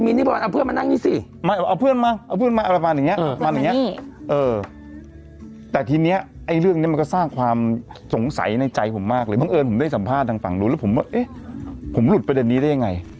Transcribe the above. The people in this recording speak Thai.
นี่บอกว่าเอาเพื่อนมานั่งนี่สิเอาเพื่อนมาเอาเพื่อนมาอะไรประมาณอย่างนี้แต่ทีนี้ไอ้เรื่องนี้มันก็สร้างความสงสัยในใจผมมากเลยบังเอิญผมได้สัมภาษณ์ทางฝั่งนู้นแล้วผมว่าเอ๊ะผมหลุดประเด็นนี้ได้ยังไง